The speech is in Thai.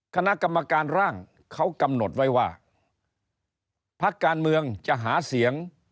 คณะกรรมการร่างเขากำหนดไว้ว่าพักการเมืองจะหาเสียง